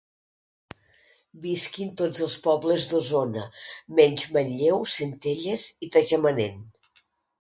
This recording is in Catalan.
Visquin tots els pobles d'Osona, menys Manlleu, Centelles i Tagamanent.